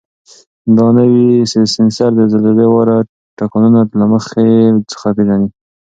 دا نوی سینسر د زلزلې واړه ټکانونه له مخکې څخه پېژني.